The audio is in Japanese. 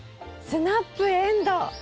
スナップエンドウ！